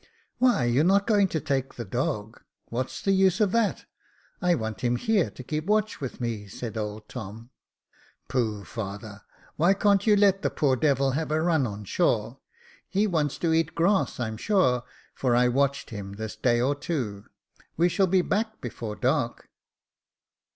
" Why, you're not going to take the dog. What's the use of that ? I want him here to keep watch with me," said old Tom. " Pooh ! father ; why can't you let the poor devil have a run on shore ? He wants to eat grass, I'm sure, for I watched him this day or two. We shall be back before dark."